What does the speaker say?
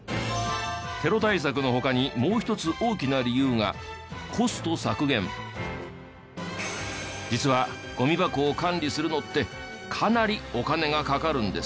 テロ対策の他にもう一つ大きな理由が実はゴミ箱を管理するのってかなりお金がかかるんです。